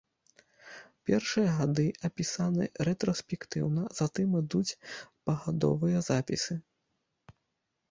Першыя гады апісаны рэтраспектыўна, затым ідуць пагадовыя запісы.